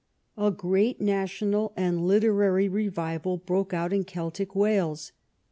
A great national and literary revival broke out in Celtic Wales.